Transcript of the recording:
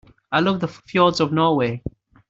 I love the fjords of Norway.